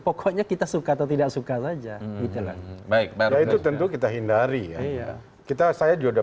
pokoknya kita suka atau tidak suka saja gitu baik baik ya itu tentu kita hindari ya kita saya juga